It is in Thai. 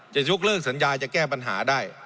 จะยกเลิกสัญญาจะแก้ปัญหาได้